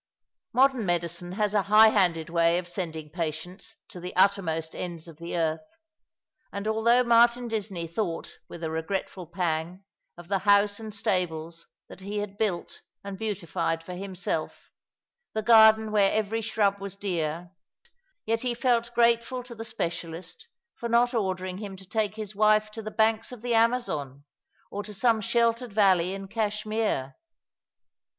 Modern medicine has a high handed way of sending patients to the uttermost ends of the earth; and although Martin Disney [thought with a regretful pang of the house and stables that he had built and beautified for himself, the garden where every shrub was dear, yet he felt grateful to the specialist for not ordering him to take his wife to the banks of the Amazon or to some sheltered valley in Cash mere.